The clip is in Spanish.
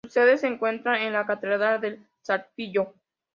Su sede se encuentra en la Catedral de Saltillo.